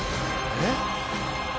えっ。